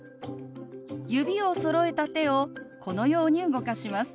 指をそろえた手をこのように動かします。